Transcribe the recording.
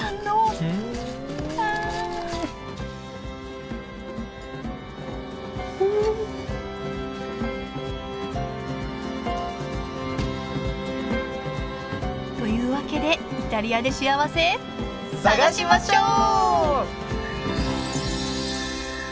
ああ！というわけでイタリアでしあわせ探しましょう！